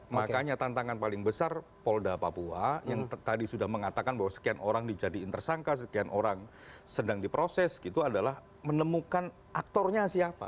makanya tantangan paling besar polda papua yang tadi sudah mengatakan bahwa sekian orang dijadiin tersangka sekian orang sedang diproses gitu adalah menemukan aktornya siapa